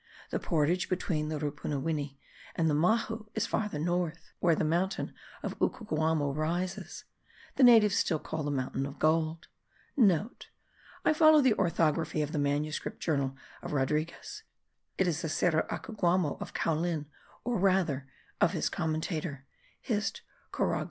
The portage between the Rupunuwini and the Mahu is farther north, where the mountain of Ucucuamo* rises, the natives still call the mountain of gold. (* I follow the orthography of the manuscript journal of Rodriguez; it is the Cerro Acuquamo of Caulin, or rather of his commentator. Hist. corogr.